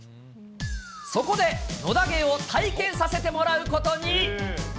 そこで、野田ゲーを体験させてもらうことに。